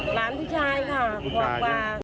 หลานผู้ชายค่ะ